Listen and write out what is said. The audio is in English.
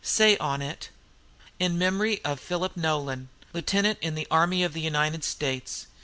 Say on it: "'In Memory of "'PHILIP NOLAN, "'Lieutenant in the Army of the United States.